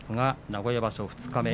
名古屋場所、二日目。